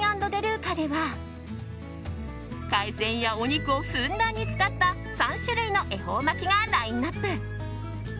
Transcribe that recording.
＆ＤＥＬＵＣＡでは海鮮やお肉をふんだんに使った３種類の恵方巻きがラインアップ。